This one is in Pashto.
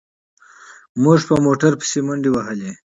موږ په موټر پسې منډې وهلې.